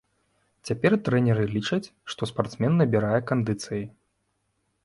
Цяпер трэнеры лічаць, што спартсмен набірае кандыцыі.